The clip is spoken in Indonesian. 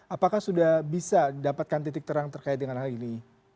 apakah sudah bisa dapatkan titik terang terkait dengan hal ini